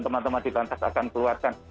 teman teman di lantas akan keluarkan